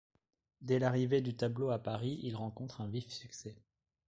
Dès l'arrivée du tableau à Paris, il rencontre un vif succès.